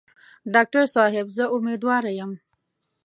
ډاکټر صاحب زه امیندواره یم.